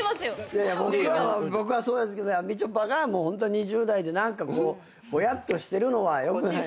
いやいや僕はそうですけどみちょぱが２０代で何かこうぼやっとしてるのはよくない。